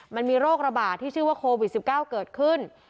มันมีโรคระบาดที่ชื่อว่าโควิด๑๙เกิดขึ้น